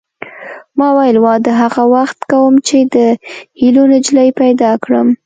ما ویل واده هغه وخت کوم چې د هیلو نجلۍ پیدا کړم